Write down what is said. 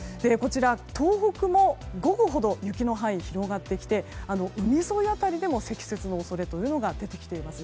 東北も午後ほど雪の範囲が広がってきて海沿い辺りでも積雪の恐れというのが出てきています。